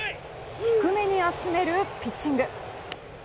低めに集めるピッチング。